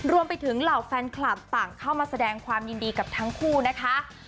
รวมไปถึงเหล่าแฟนคลับต่างเข้ามาแสดงความยินดีกับทั้งคู่นะคะ